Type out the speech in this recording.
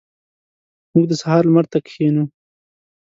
موږ د سهار لمر ته کښینو.